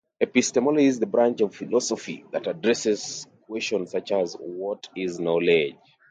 Epistemology is the branch of philosophy that addresses questions such as: What is knowledge?